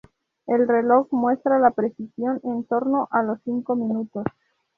El reloj muestra una precisión en torno a los cinco minutos.